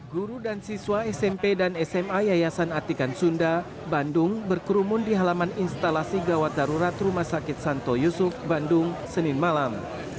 guru dan siswa smp dan sma yayasan atikan sunda bandung berkerumun di halaman instalasi gawat darurat rumah sakit santo yusuf bandung senin malam